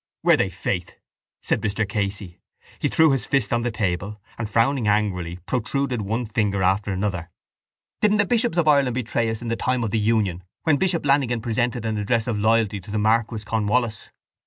—Were they, faith? said Mr Casey. He threw his fist on the table and, frowning angrily, protruded one finger after another. —Didn't the bishops of Ireland betray us in the time of the union when Bishop Lanigan presented an address of loyalty to the Marquess Cornwallis?